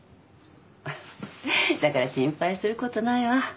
だから心配することないわ。